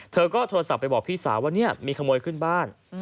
เธอก็โทรศัพท์ไปบอกพี่สาวว่าเนี่ยมีขโมยขึ้นบ้าน